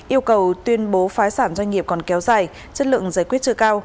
yêu cầu tuyên bố phái sản doanh nghiệp còn kéo dài chất lượng giải quyết chưa cao